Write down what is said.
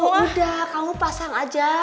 udah kamu pasang aja